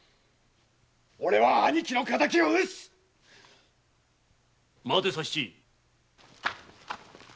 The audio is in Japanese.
おれは兄貴の敵を討つ・待て佐七。